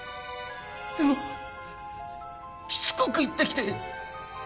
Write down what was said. でもしつこく言ってきて